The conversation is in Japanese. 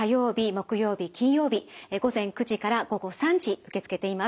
木曜日金曜日午前９時から午後３時受け付けています。